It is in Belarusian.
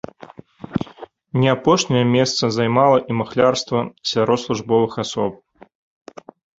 Не апошняе месца займала і махлярства сярод службовых асоб.